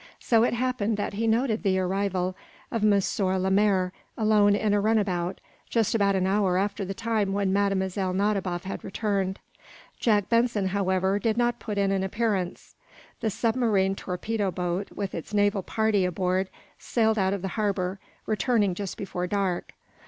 So it happened that he noted the arrival of M. Lemaire, alone in a runabout, just about an hour after the time when Mlle. Nadiboff had returned. Jack Benson, however, did not put in an appearance. The submarine torpedo boat, with its naval party aboard, sailed out of the harbor, returning just before dark.